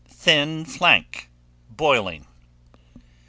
Thin flank, boiling.